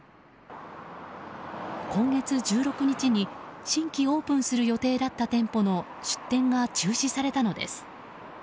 今月１６日に新規オープンする予定だった店舗の出店が中止されたのです。